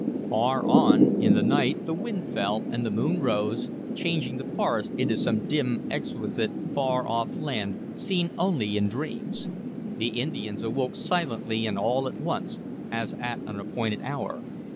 Far on in the night the wind fell and the moon rose, changing the forest into some dim, exquisite, far off land, seen only in dreams. The Indians awoke silently and all at once, as at an appointed hour.